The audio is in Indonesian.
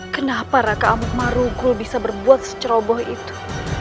kenapa raka amuk marukul bisa berbuat seceroboh itu